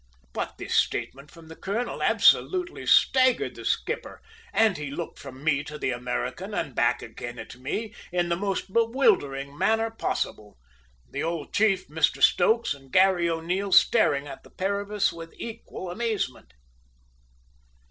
But this statement from the colonel absolutely staggered the skipper, and he looked from me to the American and back again at me in the most bewildering manner possible; the old chief, Mr Stokes, and Garry O'Neil staring at the pair of us with equal amazement.